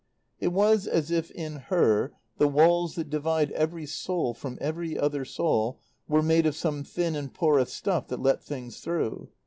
It was as if in her the walls that divide every soul from every other soul were made of some thin and porous stuff that let things through.